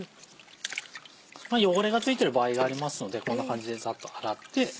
汚れが付いてる場合がありますのでこんな感じでサッと洗って。